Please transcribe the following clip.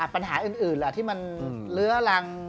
ปัญหาอื่นที่มันเลื้อรัง